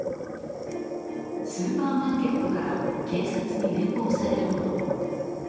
スーパーマーケットから警察に連行される男。